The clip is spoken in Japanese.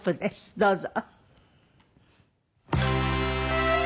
どうぞ。